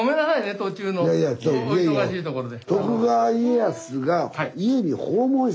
途中のお忙しいところで。